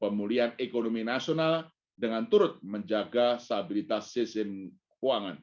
pemulihan ekonomi nasional dengan turut menjaga stabilitas sistem keuangan